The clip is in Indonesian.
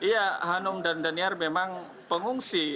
ya hanum dan daniar memang pengungsi